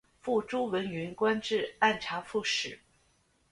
父朱文云官至按察副使。